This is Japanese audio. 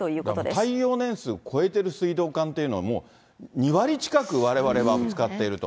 耐用年数超えている水道管っていうのはもう、２割近くわれわれは使っていると。